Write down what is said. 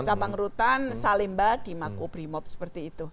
cabang rutan salimba di makobrimob seperti itu